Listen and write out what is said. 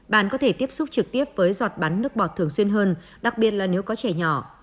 bạn có thể tiếp xúc trực tiếp với giọt bắn nước bọt thường xuyên hơn đặc biệt là nếu có trẻ nhỏ